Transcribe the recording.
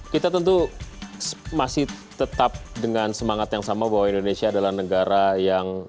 kita tentu masih tetap dengan semangat yang sama bahwa indonesia adalah negara yang